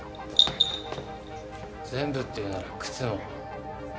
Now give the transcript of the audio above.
全部っていうなら靴も。